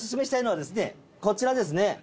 こちらですね。